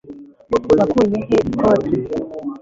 wakuye he ikoti